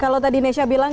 kalau tadi nesha bilang